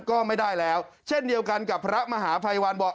ก็ไม่ได้แล้วเช่นเดียวกันกับพระมหาภัยวันบอก